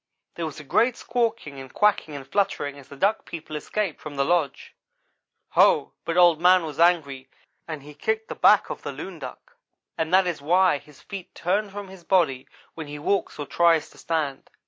There was a great squawking and quacking and fluttering as the Duck people escaped from the lodge. Ho! but Old man was angry, and he kicked the back of the loon duck, and that is why his feet turn from his body when he walks or tries to stand.